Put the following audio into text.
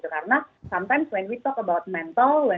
karena kadang kadang ketika kita bicara tentang mentalitas